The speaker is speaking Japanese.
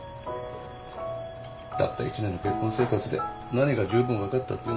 たった１年の結婚生活で何がじゅうぶん分かったっていうんだ？